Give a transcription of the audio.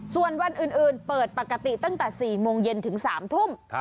ส่วนวันอื่นเปิดปกติตั้งแต่๔โมงเย็นถึง๓ทุ่ม